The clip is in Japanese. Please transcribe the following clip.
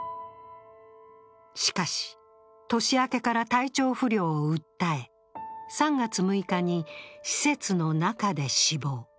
しかし、年明けから体調不良を訴え、３月６日に施設の中で死亡。